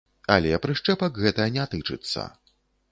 Але прышчэпак гэта не тычыцца.